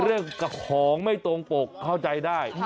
เรื่องกับของไม่โตงโปรกเข้าใจได้